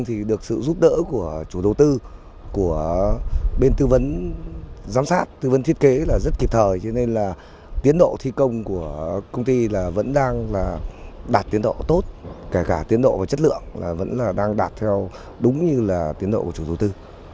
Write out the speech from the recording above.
tiến độ thi công của công ty vẫn đang đạt tiến độ tốt kể cả tiến độ và chất lượng vẫn đang đạt theo đúng như là tiến độ của chủ đầu tư